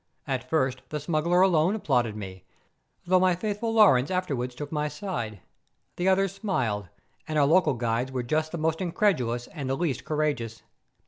At first the smuggler alone applauded me, though my faithful Laurens afterwards took my side. The others smiled, and our local guides were just the most incredulous and the least courageous.